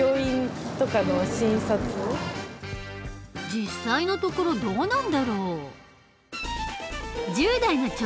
実際のところどうなんだろう？